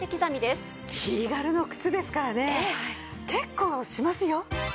リーガルの靴ですからね結構しますよ。